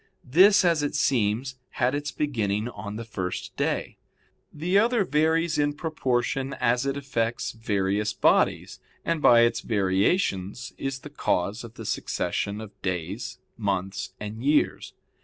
This, as it seems, had its beginning on the first day. The other varies in proportion as it affects various bodies, and by its variations is the cause of the succession of days, months, and years.